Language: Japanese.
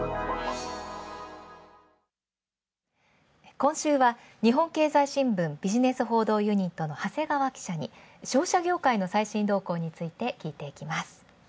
今週は日本経済新聞、ビジネス報道ユニットの長谷川記者に商社業界の最新動向について聞いています。